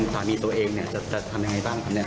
สามีตัวเองเนี่ยจะทำยังไงบ้างครับเนี่ย